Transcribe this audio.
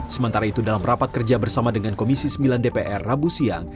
sementara itu dalam rapat kerja bersama dengan komisi sembilan dpr rabu siang